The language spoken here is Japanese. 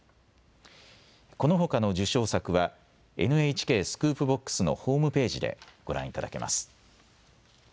このほかの受賞作はＮＨＫスクープＢＯＸのホームページでご覧いただけます。